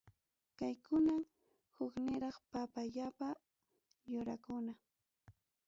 Kaykunam hukniraq papayapa yurakuna.